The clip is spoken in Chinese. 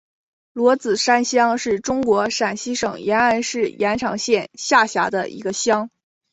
罗子山乡是中国陕西省延安市延长县下辖的一个乡。